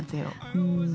うん。